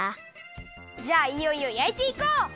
じゃあいよいよやいていこう！